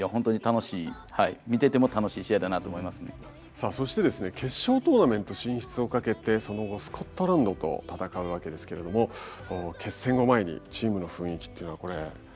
さあそしてですね決勝トーナメント進出をかけてその後スコットランドと戦うわけですけれども決戦を前にチームの雰囲気っていうのはこれ田村選手いかがでしたか？